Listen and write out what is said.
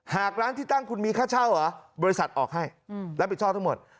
หากร้านที่ตั้งคุณมีค่าเช่าเหรอบริษัทออกให้รับผิดชอบทั้งหมด